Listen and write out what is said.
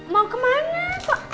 mau ke mana pak